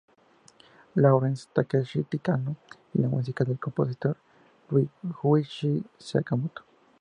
Lawrence" Takeshi Kitano y la música del compositor Ryuichi Sakamoto.